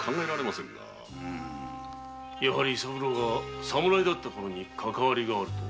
やはり伊三郎が侍であったころにかかわりがあると？